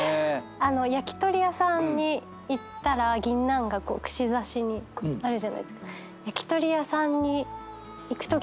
焼き鳥屋さんに行ったら銀杏がこう串刺しにあるじゃないですか。